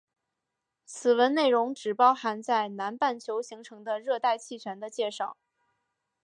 此文内容只包含在南半球形成的热带气旋的介绍。